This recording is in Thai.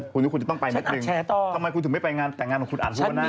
คุณคิดว่าคุณจะต้องไปไม่ตึกทำไมคุณถึงไม่ไปงานแต่งงานของคุณอัดทุกประนาจ